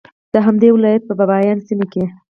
د همدې ولایت په بایان سیمه کې